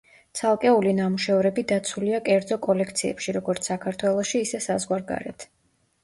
ცალკეული ნამუშევრები დაცულია კერძო კოლექციებში როგორც საქართველოში, ისე საზღვარგარეთ.